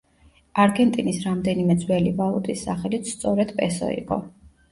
არგენტინის რამდენიმე ძველი ვალუტის სახელიც სწორედ პესო იყო.